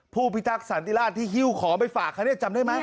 ผู้พิทักษณ์สันติราชที่ฮิวขอไปฝากค่ะเนี่ยจำได้มั้ย